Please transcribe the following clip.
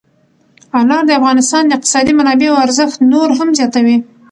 انار د افغانستان د اقتصادي منابعو ارزښت نور هم زیاتوي.